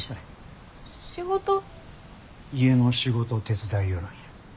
家の仕事手伝いよるんや。